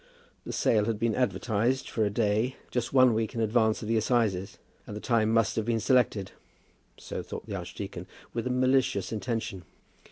The sale had been advertised for a day just one week in advance of the assizes, and the time must have been selected, so thought the archdeacon, with a malicious intention.